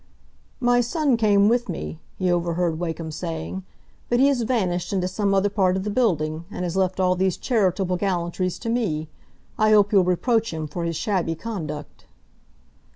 "My son came with me," he overheard Wakem saying, "but he has vanished into some other part of the building, and has left all these charitable gallantries to me. I hope you'll reproach him for his shabby conduct."